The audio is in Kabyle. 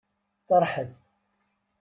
Feṛḥet!